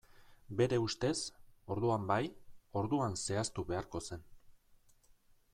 Bere ustez, orduan bai, orduan zehaztu beharko zen.